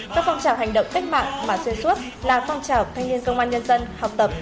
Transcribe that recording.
các phong trào hành động cách mạng mà xuyên suốt là phong trào thanh niên công an nhân dân học tập